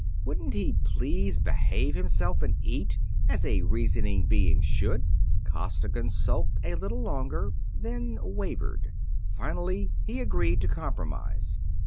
Wouldn't he please behave himself and eat, as a reasoning being should? Costigan sulked a little longer, then wavered. Finally he agreed to compromise.